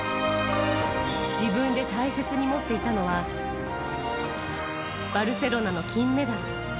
自分で大切に持っていたのは、バルセロナの金メダル。